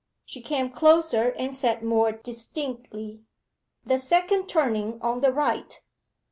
She came closer and said more distinctly 'The second turning on the right.